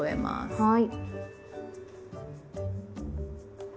はい。